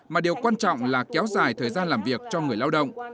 mà điều quan trọng là kéo dài thời gian làm việc cho người lao động